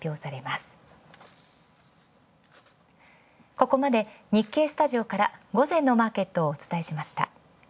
ここまで日経スタジオから午前のマーケットをお伝えしました。